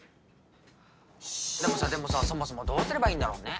でもさでもさそもそもどうすればいいんだろうね？